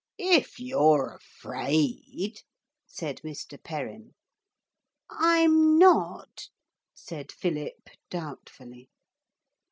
'If you're afraid,' said Mr. Perrin. 'I'm not,' said Philip doubtfully.